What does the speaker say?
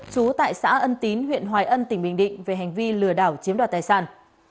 trú tại xã ân tín huyện hoài ân tỉnh bình định về hành vi lừa đảo chiếm đoạt tài sản